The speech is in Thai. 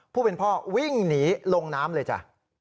ผู้เป็นพ่อวิ่งหนีลงน้ำเลยจ้ะ